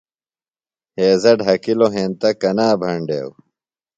ہیضہ ڈھکِلوۡ ہینتہ کنا بھینڈیوۡ؟